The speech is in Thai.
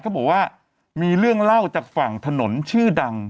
เขาบอกว่ามีเรื่องเล่าจากฝั่งถนนชื่อดัง